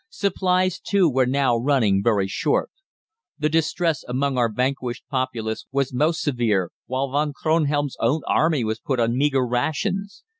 Supplies, too, were now running very short. The distress among our vanquished populace was most severe; while Von Kronhelm's own army was put on meagre rations.